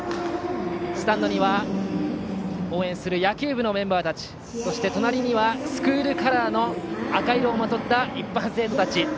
スタンドには応援する野球部のメンバーたちそして隣にはスクールカラーの赤色をまとった一般生徒たち。